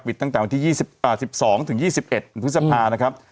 ปิดตั้งแต่วันที่ยี่สิบอ่าสิบสองถึงยี่สิบเอ็ดพฤษภานะครับ